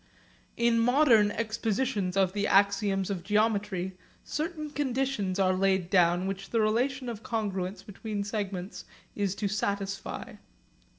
In modern expositions of the axioms of geometry certain conditions are laid down which the relation of congruence between segments is to satisfy.